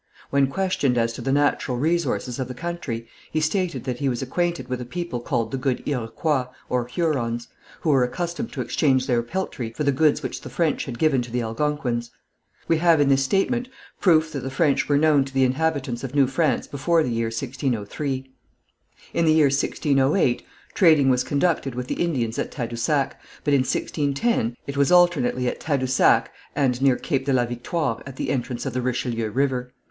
When questioned as to the natural resources of the country, he stated that he was acquainted with a people called the good Iroquois (Hurons) who were accustomed to exchange their peltry for the goods which the French had given to the Algonquins. We have in this statement proof that the French were known to the inhabitants of New France before the year 1603. In the year 1608, trading was conducted with the Indians at Tadousac, but in 1610 it was alternately at Tadousac, and near Cape de la Victoire at the entrance of the Richelieu River.